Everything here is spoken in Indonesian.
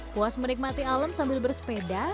puas menikmati alam sambil bersepeda